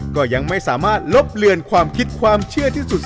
ก็ยังไม่สามารถลบเลือนความคิดความเชื่อที่สุด